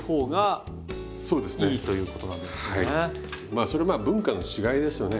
まあそれまあ文化の違いですよね。